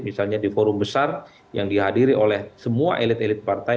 misalnya di forum besar yang dihadiri oleh semua elit elit partai